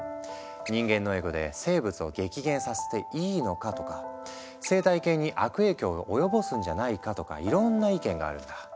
「人間のエゴで生物を激減させていいのか」とか「生態系に悪影響を及ぼすんじゃないか」とかいろんな意見があるんだ。